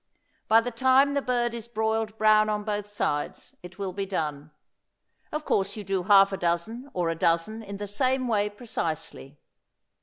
By the time the bird is broiled brown on both sides it will be done. Of course you do half a dozen or a dozen in the same way precisely.